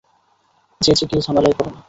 যেচে গিয়ে ঝামেলায় পড়ো না।